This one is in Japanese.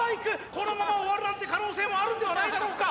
このまま終わるなんて可能性もあるんではないだろうか。